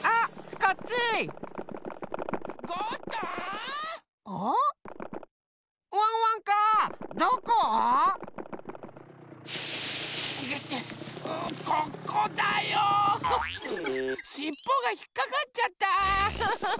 ここだよしっぽがひっかかっちゃった。